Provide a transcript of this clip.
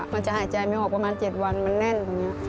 มันจะหายใจไม่ออกประมาณ๗วันมันแน่นตรงนี้